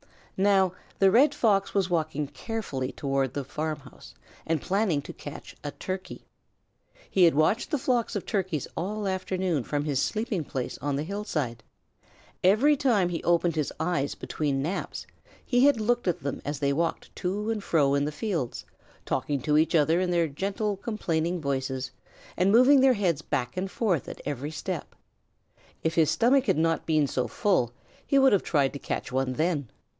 Now the Red Fox was walking carefully toward the farmhouse and planning to catch a Turkey. He had watched the flocks of Turkeys all afternoon from his sleeping place on the hillside. Every time he opened his eyes between naps he had looked at them as they walked to and fro in the fields, talking to each other in their gentle, complaining voices and moving their heads back and forth at every step. If his stomach had not been so full he would have tried to catch one then.